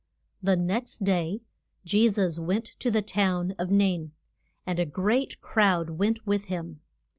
The next day Je sus went to the town of Nain. And a great crowd went with him.